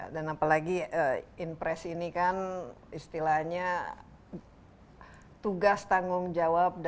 dan apalagi in pres ini kan istilahnya tugas tanggung jawab